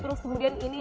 terus kemudian ini juga